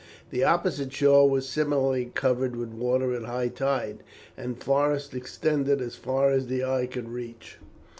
The opposite shore was similarly covered with water at high tide, and forests extended as far as the eye could reach.